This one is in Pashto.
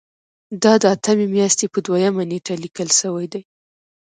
دا د اتمې میاشتې په دویمه نیټه لیکل شوې ده.